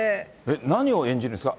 何を演じるんですか？